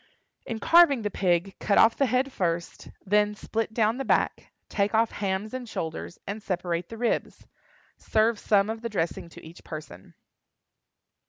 In carving the pig, cut off the head first; then split down the back, take off hams and shoulders, and separate the ribs. Serve some of the dressing to each person.